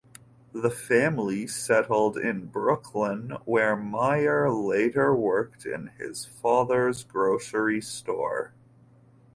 The family settled in Brooklyn, where Meyer later worked in his father's grocery store.